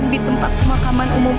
di tempat pemakaman umum